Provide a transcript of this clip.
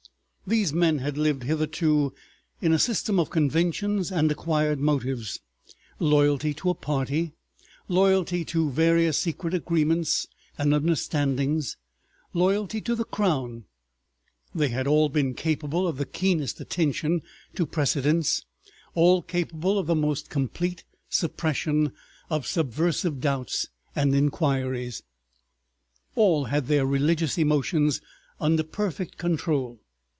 These men had lived hitherto in a system of conventions and acquired motives, loyalty to a party, loyalty to various secret agreements and understandings, loyalty to the Crown; they had all been capable of the keenest attention to precedence, all capable of the most complete suppression of subversive doubts and inquiries, all had their religious emotions under perfect control.